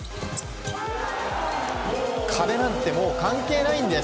壁なんて、もう関係ないんです。